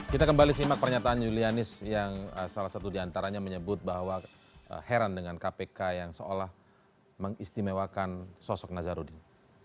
kita kembali simak pernyataan julianis yang salah satu diantaranya menyebut bahwa heran dengan kpk yang seolah mengistimewakan sosok nazarudin